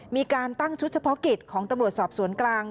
มีการตั้งชุดเฉพาะกิจของตำรวจสอบสวนกลาง